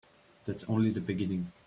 That's only the beginning.